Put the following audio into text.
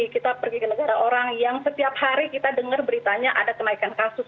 kita pergi ke negara orang yang setiap hari kita dengar beritanya ada kenaikan kasus